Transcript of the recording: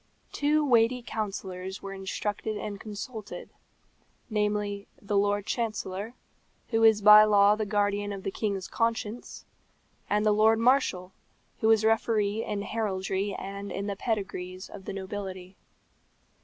Two weighty counsellors were instructed and consulted namely, the Lord Chancellor, who is by law the guardian of the king's conscience; and the Lord Marshal, who is referee in Heraldry and in the pedigrees of the nobility.